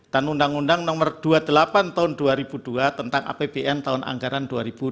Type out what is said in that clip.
dan undang undang no dua puluh delapan tahun dua ribu dua tentang apbn tahun anggaran dua ribu dua puluh tiga